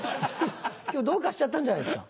今日どうかしちゃったんじゃないですか？